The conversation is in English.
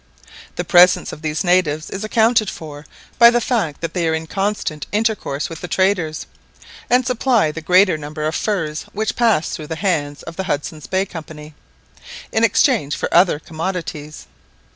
The presence of these natives is accounted for by the fact that they are in constant intercourse with the traders, and supply the greater number of furs which pass through the hands of the Hudson's Bay Company, in exchange for other commodities.